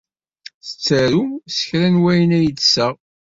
Tettaru s kra n wayen ay d-tessaɣ.